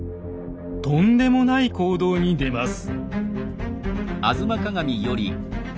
とんでもない行動に出ます。